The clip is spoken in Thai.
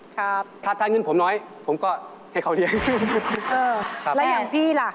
ขอบคุณนะครับ